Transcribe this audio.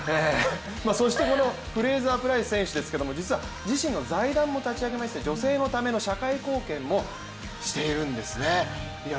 そしてこのフレーザー・プライス選手ですけれども実は自身の財団も立ち上げまして女性のための社会貢献もしているんですね。